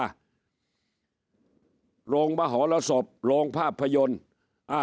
โหลงประหอลสบโหลงภาพยนตร์